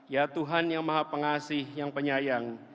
ya tuhan yang maha pengasih yang penyayang